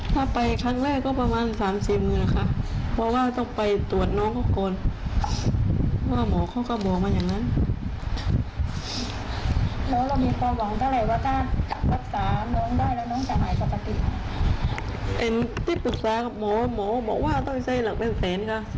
ที่ปรึกษากับหมอหมอบอกว่าต้องใช้หลักเป็นเศรษฐ์ค่ะ